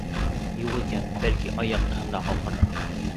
Юҡ икән, бәлки, ай яҡтыһында ҡалҡыр.